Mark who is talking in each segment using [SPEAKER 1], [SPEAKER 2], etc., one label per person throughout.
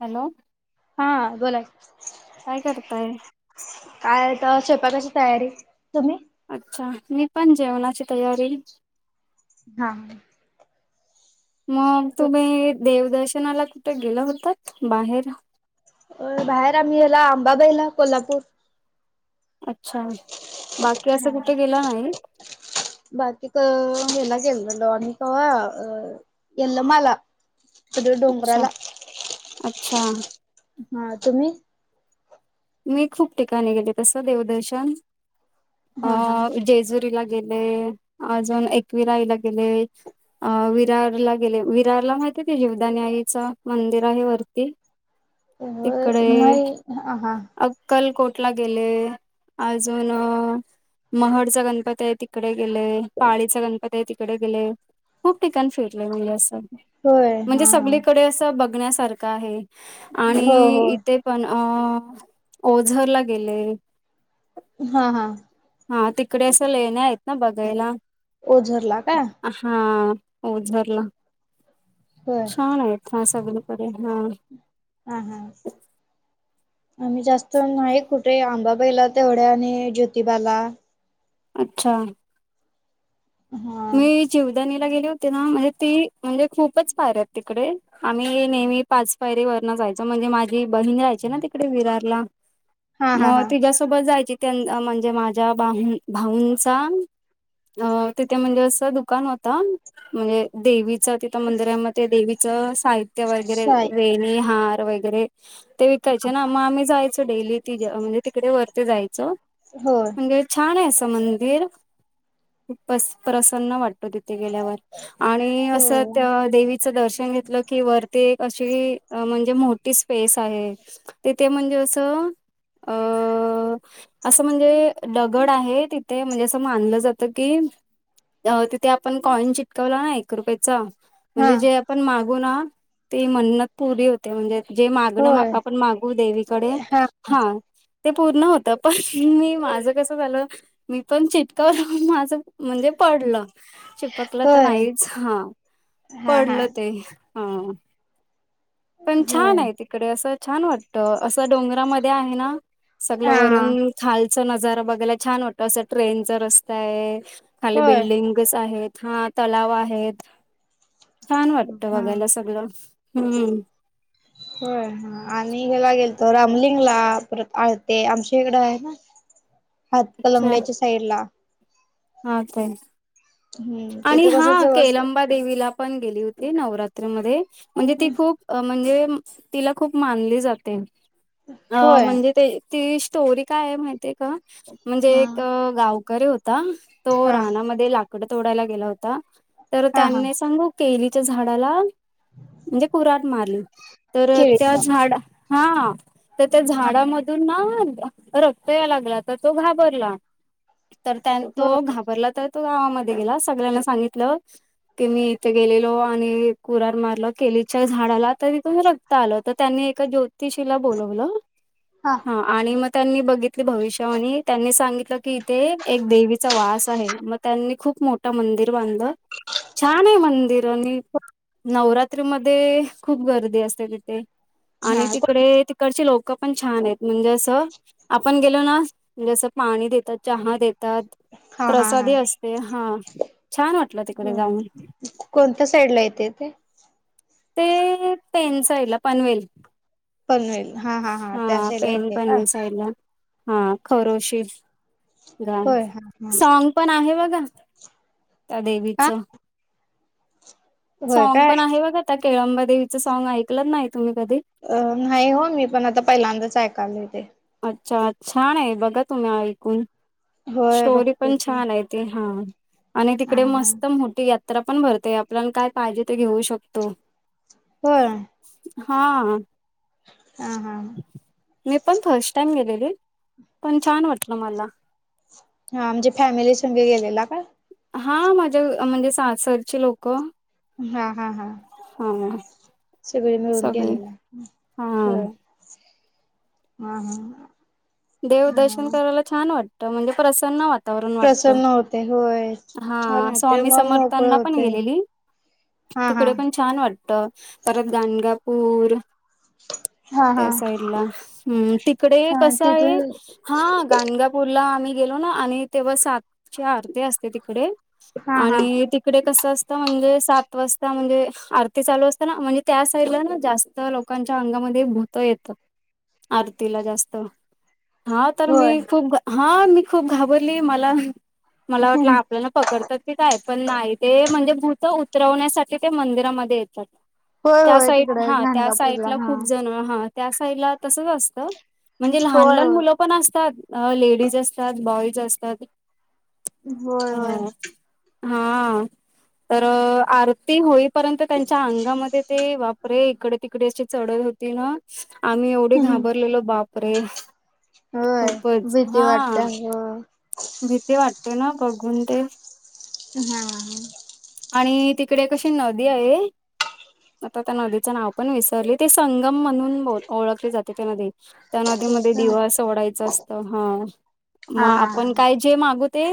[SPEAKER 1] Hello.
[SPEAKER 2] हा बोला की.
[SPEAKER 1] काय करताय
[SPEAKER 2] काय आहे तर स्वपाकाची तयारी तुम्ही
[SPEAKER 1] अच्छा मी पण जेवणाची तयारी
[SPEAKER 2] हा
[SPEAKER 1] मग तुम्ही देवदर्शनाला कुठे गेलं होत बाहेर
[SPEAKER 2] अ बाहेर आम्ही गला आंबाबाहिला कोल्हापूर
[SPEAKER 1] अच्छा बाकी असं
[SPEAKER 2] हा.
[SPEAKER 1] कुठे गेलं नाहीत
[SPEAKER 2] बाकी का हेला गेलेलो अने कावा अ यल्लमाला कध डोंगराला
[SPEAKER 1] अच्छा
[SPEAKER 2] हा तुम्ही
[SPEAKER 1] मी खूप ठिकाणी गेले तस देवदर्शन अ
[SPEAKER 2] हा हा.
[SPEAKER 1] जेजुरीला गेले अजून एकवी रायला गेले अ विरारला गेले विरारला माहितीय ते जीवदाान आईचं मंदिर आहे वरती [unintelligible] तिकडे
[SPEAKER 2] मई ह हा
[SPEAKER 1] अक्कलकोटला गेले अजून महडचा गणपती आहे तिकडे गेले पाळीचा गणपती आहे तिकडे गेले खूप ठिकाण फिरले म्ह असं
[SPEAKER 2] होय
[SPEAKER 1] म्हणजे
[SPEAKER 2] हा हा.
[SPEAKER 1] सगळीकडे असं बघण्यासारखं आहे
[SPEAKER 2] हो
[SPEAKER 1] आणि
[SPEAKER 2] हो
[SPEAKER 1] इथे पण अ ओझरला गेले
[SPEAKER 2] हा हा
[SPEAKER 1] हा तिकडे असं लेण्या आहेत ना बघायला
[SPEAKER 2] ओ झर्ला का
[SPEAKER 1] हा झरला
[SPEAKER 2] होय.
[SPEAKER 1] छान आहे हा सगन प हा
[SPEAKER 2] हम हम आम्ही जास्त आहे कुठे आंबाबाईला तेवढ्या आणि ज्योतिबाला
[SPEAKER 1] अच्छा
[SPEAKER 2] हा
[SPEAKER 1] मी जिवदानीला गेली होती ना म्हणजे ती म्हणजे खूपच पायर आहेत तिकडे आम्ही नेहमी पाच पायरी वरन जायचो म्हणजे माझी बहीण राहायची ना तिकडे विरारला
[SPEAKER 2] हा हा
[SPEAKER 1] मग
[SPEAKER 2] हा.
[SPEAKER 1] त सोबत जायची म्हणजे माझ्या बाह भाऊंचा अ तिथे म्हणजे असं दुकान होत म्हणजे देवीच तिथं मंदिरामध्ये देवीचं साहित वगैरे
[SPEAKER 2] साईज
[SPEAKER 1] वेणी हार. वगैरे ते विकायचे ना. मग आम्ही जायचो डेली ति म्हणजे तिकडे वरती जायचं
[SPEAKER 2] होय.
[SPEAKER 1] म्हणे छान आहे असं मंदिर.. प्रसन्न वाटतो तिथे गेल्यावर. आणि
[SPEAKER 2] होय.
[SPEAKER 1] असं देवी दर्शन घेतलं की वरती एक अशी म्हणजे मोठी स्पेस आहे. तेथ म्हणजे असं अ.. असं म्हणजे दगड आहे. तिथे म्हणजे असं मानलं जातं की अ तिथे आपण कॉइन चिटकवला. ना एक रुपयेचा
[SPEAKER 2] हा
[SPEAKER 1] म्हणजे जे पण मागू ना ते म्हण्नत.. पुरी होते. म्हणजे जे मागणं
[SPEAKER 2] होय
[SPEAKER 1] आपण मागू देवीकडे
[SPEAKER 2] हा.
[SPEAKER 1] हां ते पूर्ण होत. पण मी
[SPEAKER 2] होय.
[SPEAKER 1] माझं कसं झालं मी पण चिटकावर माझं म्हणजे पडलं चिपकलं तर
[SPEAKER 2] होय
[SPEAKER 1] नाहीच हां
[SPEAKER 2] हा हा
[SPEAKER 1] पडलं ते हां पण छान
[SPEAKER 2] होय
[SPEAKER 1] आहे. ते तडे अस छान वाटत असं डोंगरामध्ये आहे. ना सगळं
[SPEAKER 2] हा हा
[SPEAKER 1] वरून खाल नजारा बघायला छान वाटत. असं ट्रेनचा रस्ता आहे. खाली
[SPEAKER 2] होय.
[SPEAKER 1] बिल्डिंगस आहेत. हा तलाव आहेत. छान वाटतं
[SPEAKER 2] हा.
[SPEAKER 1] बघायला सगळं हम्म.
[SPEAKER 2] होय. आणि हेला गेल तो रामलिंगला परत आळते आमच्या इकडं आहे. ना हात कणंगलेल्याच्या साईड ला.
[SPEAKER 1] हां तेय.
[SPEAKER 2] हम्म
[SPEAKER 1] आणि
[SPEAKER 2] तिथं कसं
[SPEAKER 1] हा
[SPEAKER 2] जवळ
[SPEAKER 1] केलंबा देवीला पण गेली होती. नवरात्रमध्ये म्हणजे ती खूप. अ म्हणजे तिला खूप मानली जाते अ
[SPEAKER 2] होय.
[SPEAKER 1] म्हणजे ते. ती स्टोरी काय आहे. माहितीय आहे का म्हणजे
[SPEAKER 2] हा
[SPEAKER 1] एक गावकरी होते. त
[SPEAKER 2] हा
[SPEAKER 1] रानामध्ये लाकड तोडायला गेला होता तर
[SPEAKER 2] हा हा
[SPEAKER 1] त्यांनी सांगू केलीच्या झाडाला म्हणजे कुऱ्हाड मारली तर त्या
[SPEAKER 2] केळीच्या
[SPEAKER 1] झाडा हां तर त्या
[SPEAKER 2] हा
[SPEAKER 1] झाडामधून ना रक्त या लागला तर. तो घाबरला तर त्या
[SPEAKER 2] हो
[SPEAKER 1] तो घाबरला तर तो गावामध्ये. गलाे सगळ्यांना सांगितल की मी इथे गेलो. आणि कुरार मारलं केलीच्या झाडाला तर तिथून रक्त आलं तर त्यांनी एका ज्योतिषीला बोलवलं. [inaudible]
[SPEAKER 2] हां.
[SPEAKER 1] हा आणि मग त्यांनी बघितली भविष्यावाणी त्यांनी सांगितलं की इथे एक देवीचा वास आहे मग त्यांनी खूप मोठं मंदिर बांधलं छान आहे मंदिर आणि. नवरात्री मध्ये खूप गर्दी असते तिथे
[SPEAKER 2] हा
[SPEAKER 1] आणि तिकडे ते तीकडची लोक पण छान आहेत म्हणजे असं. आपण गेल ना जसं पाणी देतात चहा देतात
[SPEAKER 2] हा हा
[SPEAKER 1] प्रसादी असते. ह छान वाटलं तिकडे
[SPEAKER 2] हा.
[SPEAKER 1] जाऊन.
[SPEAKER 2] कोणत्या साईड ला येते ते
[SPEAKER 1] ते पेन साईडला पनवेल.
[SPEAKER 2] पनवेल हा त्या
[SPEAKER 1] हा
[SPEAKER 2] साईडला
[SPEAKER 1] पेन
[SPEAKER 2] येते.
[SPEAKER 1] पनवेल साईलं. हा खरोशी गा
[SPEAKER 2] होय हा हा
[SPEAKER 1] सॉग पण आहे बघा. त्या
[SPEAKER 2] हा
[SPEAKER 1] देवीचं.
[SPEAKER 2] होय
[SPEAKER 1] सॉ्ग
[SPEAKER 2] काय
[SPEAKER 1] पण आहे बघा त्या केळंबादेवीचं सॉग ऐकलत नाही तुम्ही कधी.
[SPEAKER 2] अ नाही हो मी पण आता पहिल्यांदाच ऐकाल ते.
[SPEAKER 1] अच्छा छान आहे बघा तुम्ही ऐकून.
[SPEAKER 2] होय
[SPEAKER 1] स्टोरी
[SPEAKER 2] बघते
[SPEAKER 1] पण
[SPEAKER 2] की
[SPEAKER 1] छान आहे ती हा आणि
[SPEAKER 2] हा
[SPEAKER 1] तिकडे
[SPEAKER 2] हा
[SPEAKER 1] मस्त मोठी या त्र पण भरतेय आपल्याला काय पाहिजे ते घेऊ शकतो.
[SPEAKER 2] होय.
[SPEAKER 1] हा आ.
[SPEAKER 2] हा हा.
[SPEAKER 1] मी पण फर्स्ट टाइम गेलेली पण छान वाटल मला.
[SPEAKER 2] हा म्हणजे फॅमिली संघ गेलेला काय.
[SPEAKER 1] हा माझ्या म्हणजे सासरची लोक.
[SPEAKER 2] हा हा हा.
[SPEAKER 1] हम [inaudible]
[SPEAKER 2] सगळे मिळून गेलेलं
[SPEAKER 1] हा.
[SPEAKER 2] बर हा हा हा.
[SPEAKER 1] देव दर्शन करायला छान वाटतं म्हणजे प्रसन वाटत.
[SPEAKER 2] प्रसन्न होतेय होय.
[SPEAKER 1] हा
[SPEAKER 2] छान वाटते
[SPEAKER 1] स्वामी
[SPEAKER 2] मन मोकळ
[SPEAKER 1] समर्थांना पण
[SPEAKER 2] होते
[SPEAKER 1] गेलेली
[SPEAKER 2] हा हा
[SPEAKER 1] तिकडे पण छान वाटते. परत गणगापूर.
[SPEAKER 2] हा हा
[SPEAKER 1] त्या साईड ला हम् तिकडे
[SPEAKER 2] हा
[SPEAKER 1] कस आहे.
[SPEAKER 2] तिथून
[SPEAKER 1] हा गणगापूरला आम्ही गेलो ना आणि तेव्हा सातचे अर्ध असते तिकडे [unintelligible]
[SPEAKER 2] हा हा
[SPEAKER 1] आणि ती तकडे कस असत म्हणजे सात वाजता म्हणजे आरती चालू असत ना म्हणजे त्या साईड ला ना जास्त लोक लोकांच्या अंगामध्ये भूत येत आरतीला जास्त. हा तर
[SPEAKER 2] होय
[SPEAKER 1] मी खूप हा मी खूप घाबरली मला मला वा आपल्याला पकडतात की काय पण नाही ते म्हणजे भूत उतरवण्यासाठी ते मंदिरामध्ये येत
[SPEAKER 2] होय
[SPEAKER 1] - त्या
[SPEAKER 2] होय तिकड
[SPEAKER 1] साईट हा त्या साईट
[SPEAKER 2] घाणगापूरला
[SPEAKER 1] ला
[SPEAKER 2] हा
[SPEAKER 1] खूप जण हा त्या साईडला तसच असत म्हणजे लहान
[SPEAKER 2] होय
[SPEAKER 1] लहान
[SPEAKER 2] होय
[SPEAKER 1] मुल पण असतात लेडीज असतात बॉईज असतात
[SPEAKER 2] होय होय
[SPEAKER 1] ह हा तर आरती होई पर्यंत त्यांच्या अंगामध्ये ते बापरे इकडे तिकडे अशी चढत होती ना आम्ही एवढे घाबरलेलो बापरे
[SPEAKER 2] होय
[SPEAKER 1] खूपच
[SPEAKER 2] भीती
[SPEAKER 1] हा.
[SPEAKER 2] वाटते ह
[SPEAKER 1] भीती वाटते ना बघून ते
[SPEAKER 2] हा
[SPEAKER 1] आणि तिकडे कशी नदी आहे आता त्या नदीचं नाव पण विसरले ते संगम म्हणून ब ओळखली जाते त्या नदी त्या नदी
[SPEAKER 2] होय
[SPEAKER 1] मध्ये
[SPEAKER 2] का?
[SPEAKER 1] दिवा सोडायच असत हा
[SPEAKER 2] हा
[SPEAKER 1] मग
[SPEAKER 2] हा हा
[SPEAKER 1] आपण काय जे मागू ते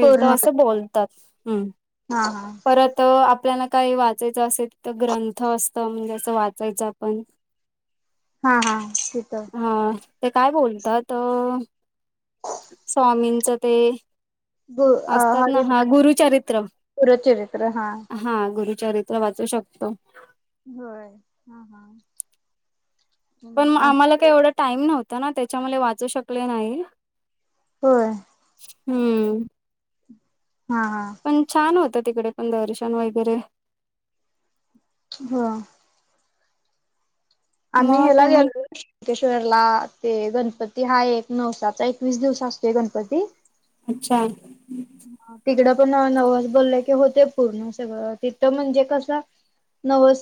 [SPEAKER 2] पूर्ण
[SPEAKER 1] असं बोलतात हम्
[SPEAKER 2] हा हा
[SPEAKER 1] परत आपल्याला काही वाचायचं असेल तर ग्रंथ असत म्हणजे अस वाचायचं आपण [inaudible]
[SPEAKER 2] हा हा तिथ
[SPEAKER 1] हा ते काय बोलतात स्वामींच ते असतात ना हा गुरुचरित्र
[SPEAKER 2] गुरूचरित्र हा
[SPEAKER 1] हा गुरुचरित्र वाचू शकतो
[SPEAKER 2] होय हा हा
[SPEAKER 1] पण
[SPEAKER 2] आ
[SPEAKER 1] आम्हाला काही एवढा टाईम नव्हता ना त्याच्यामुले वाचू शकले नाही
[SPEAKER 2] होय
[SPEAKER 1] हम्म
[SPEAKER 2] हा हा
[SPEAKER 1] पण छान होतं तिकडे पण दर्शन वगैरे
[SPEAKER 2] हो आम्ही
[SPEAKER 1] मग
[SPEAKER 2] हेला
[SPEAKER 1] तुम्ही
[SPEAKER 2] गेलोय मुंकेश्वरला ते गणपती हा एक नवसाचा एकवीस दिवस असतोय गणपती
[SPEAKER 1] अच्छा
[SPEAKER 2] तिकडं पण नवस बोललाय की होते पूर्ण सगळं तिथं म्हणजे कस नवस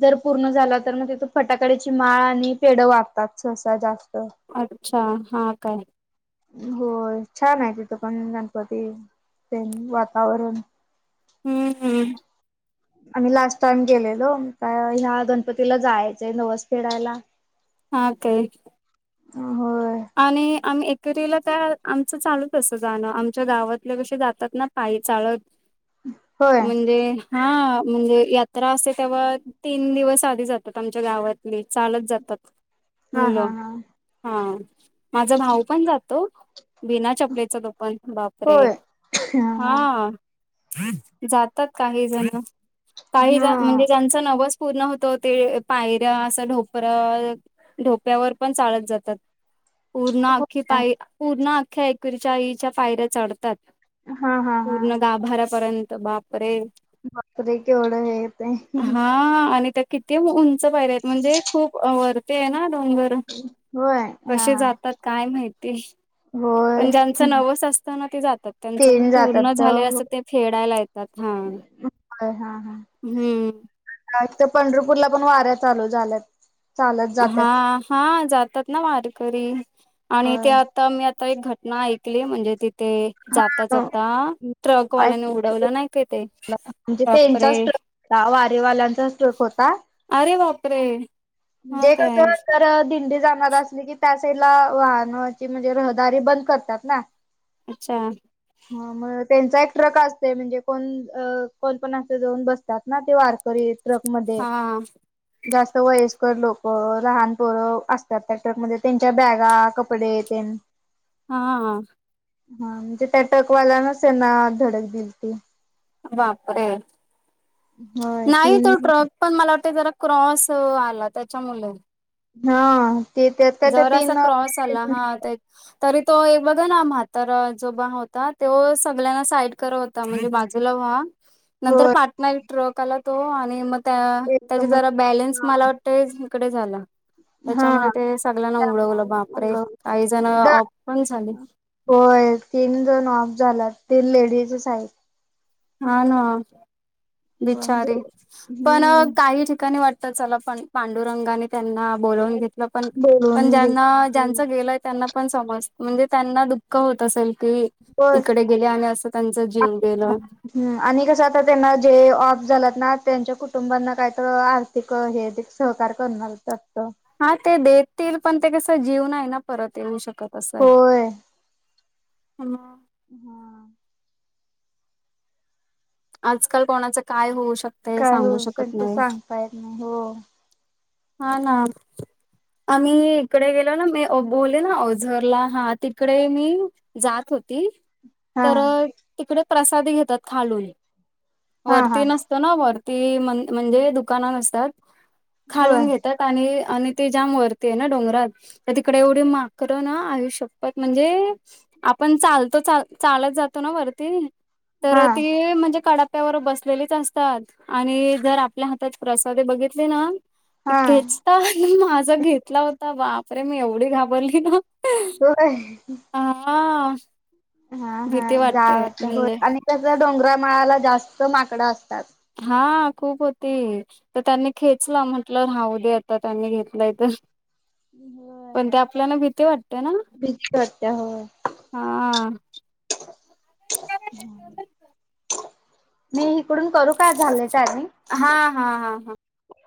[SPEAKER 2] जर पूर्ण झाला तर मग तिथ फटाकडची माळ आणि पेढ वाटतात सहसा जास्त
[SPEAKER 1] अच्छा हा काय
[SPEAKER 2] हो छान आहे तिथं पण गणपती तेन वातावरण
[SPEAKER 1] हम्म हम्म
[SPEAKER 2] आम्ही लास्ट टाईम गेलेलो का ह्या गणपतीला जायचंय नवस फेडायला
[SPEAKER 1] हा काय
[SPEAKER 2] हा होय
[SPEAKER 1] आणि आम्ही एकेरीला त्या आमचं चालूच असं जाणं आमच्या गावातले कशे जातात ना पाई चाळत
[SPEAKER 2] होय
[SPEAKER 1] म्हणजे हा म्हणजे यात्रा असते तवा तीन दिवस आधी जातात आमच्या गावातली चालत जातात
[SPEAKER 2] हा हा
[SPEAKER 1] मुलं
[SPEAKER 2] हा
[SPEAKER 1] हा माझा भाऊ पण जातो बिना चपलेच तो पण बापरे
[SPEAKER 2] होय
[SPEAKER 1] हा जातात काही जण काही
[SPEAKER 2] हा
[SPEAKER 1] म्हणजे ज्यांच नवस पूर्ण होत ते पायऱ्या असं ढोपरं ढोप्यावर पण चालत जातात पूर्ण
[SPEAKER 2] हो
[SPEAKER 1] अख्खी पाय पूर्ण अख्ख्या ऐकरीच्या आईच्या पायऱ्या चढतात
[SPEAKER 2] हा हा हा
[SPEAKER 1] पूर्ण गाभाऱ्यापर्यंत बापरे
[SPEAKER 2] बकरर के ओढ हेेत
[SPEAKER 1] हा आणि त्या किती उंच पायर आहेत म्हणजे खूप वरते आहे ना डोनंगर
[SPEAKER 2] होय हा
[SPEAKER 1] कसे
[SPEAKER 2] हा
[SPEAKER 1] जातात काय माहिती
[SPEAKER 2] होय
[SPEAKER 1] पण ज्यांचं नवस असतना ते जातात त्यांच मग
[SPEAKER 2] तेन जातात
[SPEAKER 1] पूर्ण झाले असं ते फेडायला येतात हा
[SPEAKER 2] ह हा हा
[SPEAKER 1] हम्म
[SPEAKER 2] तर पंढरपूरला पण वाऱ्या चालू झाल्यात चालत
[SPEAKER 1] हा
[SPEAKER 2] जात्यात
[SPEAKER 1] हा जातात ना वारकरी आणि ते
[SPEAKER 2] होय
[SPEAKER 1] आता मी आता एक घटना ऐक िकली म्हणजे तिथे
[SPEAKER 2] हा
[SPEAKER 1] जाता जाता ट्रक
[SPEAKER 2] काय
[SPEAKER 1] वाल्याने उडवलं नाही ते
[SPEAKER 2] म्हणजे
[SPEAKER 1] बापरे
[SPEAKER 2] त्यांचा स्ट्रकता वारेवाल्यांचा स्ट्रोक होता
[SPEAKER 1] अरे वापरे
[SPEAKER 2] म्हणजे कस तर दिंडी जाणार अस की त्या सईला वाहनाची म्हणजे रहदारी बंद करतात ना
[SPEAKER 1] अच्छा
[SPEAKER 2] ह मग त्यांचा एक ट्रक असते म्हणजे कोण कोण पण असं जाऊन बसतात ना ते वारकरीत ट्रक मध्ये
[SPEAKER 1] हा
[SPEAKER 2] जास्त वयस्कर लोक लहानपोर असतात त्या ट्रकमध्ये त्यांच्या बॅगा कप कपडे तेन
[SPEAKER 1] हा
[SPEAKER 2] हा म्हणजे त्या टकवालानच नाव धडक दिली ती
[SPEAKER 1] बापरे
[SPEAKER 2] होय
[SPEAKER 1] नाही
[SPEAKER 2] तीन
[SPEAKER 1] तो ट्रक पण मला वाटतं जरा क्रॉस आला त्याच्यामुळे
[SPEAKER 2] हा ते त्या त्याच्या तीन
[SPEAKER 1] तेच तरी तो एक बघा ना म्हातर जो बा होता तो सगळ्यांना साईड कर म्हणजे बाजूला व्हा नंतर
[SPEAKER 2] होय
[SPEAKER 1] पाटनाई ट्रक आला तो आणि मग त्या
[SPEAKER 2] एकदमच
[SPEAKER 1] जरा बलन्स
[SPEAKER 2] हा
[SPEAKER 1] मला वाटतडे झा
[SPEAKER 2] हा
[SPEAKER 1] त्यामुळे ते सगळ्यांना उडवलं
[SPEAKER 2] त्यामुळे
[SPEAKER 1] बापरे
[SPEAKER 2] मग
[SPEAKER 1] काही जण
[SPEAKER 2] दा
[SPEAKER 1] ऑफ पण झाली
[SPEAKER 2] होय तीन जनऑफ झाला ती लेडीजच आहेत
[SPEAKER 1] हा ना
[SPEAKER 2] होय
[SPEAKER 1] बिचारी
[SPEAKER 2] म्हणजे
[SPEAKER 1] पण
[SPEAKER 2] हम्म
[SPEAKER 1] काही ठिकाणी वाट तर चला प पांडुरंगाने त्यांना बोलवून घेत पण पण
[SPEAKER 2] बोलून
[SPEAKER 1] ज्यांना ज्यांच
[SPEAKER 2] घेत
[SPEAKER 1] गेलंय त्यांना पण समज म्हणजे त्यांना दुःख होत असेल की
[SPEAKER 2] होय
[SPEAKER 1] इकडे गेली आणि असं त्यांचा जीव गेल
[SPEAKER 2] ह् आणि कसं आता त्यांना जे ऑफ झालात ना त्यांच्या कुटुंबांना काय तर तिक हे त सहकार करणारगत
[SPEAKER 1] हा ते देतील पण ते कसं जीव नाही ना परत येऊ शकत आहे
[SPEAKER 2] होय हम्म
[SPEAKER 1] आजकाल कोणाचं काय होऊ शकत शकते
[SPEAKER 2] काय हो
[SPEAKER 1] सांगू
[SPEAKER 2] असेल तर
[SPEAKER 1] नाही
[SPEAKER 2] सांगतायल नाही हो
[SPEAKER 1] हा ना आम्ही इकडे गेलो ना मी बोलले ना औझरला हा तिकडे मी जात होती
[SPEAKER 2] हा
[SPEAKER 1] तर तिकडे प्रसाद घेतात खालून
[SPEAKER 2] हा हा
[SPEAKER 1] वरती नसते ना वरती म्हणजे दुकाना असतात
[SPEAKER 2] होय
[SPEAKER 1] खाळून घेतात आणि आणि ते जा्याम वरते ना डोंगरात त्या तिकडे एवढे माकर ना आयुष्यपत म्हणजे आपण चालतो चालत जातो ना वरती
[SPEAKER 2] हा
[SPEAKER 1] तर ती म्हणजे कड ्यावर बसलेलीच असतात आणि जर आपल्या हातात प्रसाद बघितली ना
[SPEAKER 2] हा
[SPEAKER 1] खेचता माझा घेतला होता बापरे मी एवढी घाबरली ना
[SPEAKER 2] हो
[SPEAKER 1] हा
[SPEAKER 2] हा हा
[SPEAKER 1] भीती
[SPEAKER 2] जा
[SPEAKER 1] वाटतेय
[SPEAKER 2] हो
[SPEAKER 1] म्हणजे
[SPEAKER 2] आणि कस डोंगरामळाला जास्त माकडं असतात
[SPEAKER 1] हा खूप होती तर त्यांनी खेचला म्हटलं राहू दे आता त्यांनी घेतलाय तर
[SPEAKER 2] होय
[SPEAKER 1] पण ते आपल्याला भीती वाटते ना
[SPEAKER 2] भीती वाटते होय
[SPEAKER 1] हा
[SPEAKER 2] मी इकडून करू काय झालंय त्यानी
[SPEAKER 1] हा हा हा हा